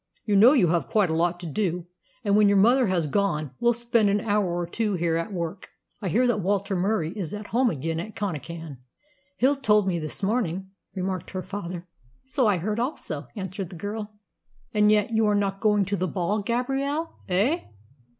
"You know you have quite a lot to do, and when your mother has gone we'll spend an hour or two here at work." "I hear that Walter Murie is at home again at Connachan. Hill told me this morning," remarked her father. "So I heard also," answered the girl. "And yet you are not going to the ball, Gabrielle, eh?"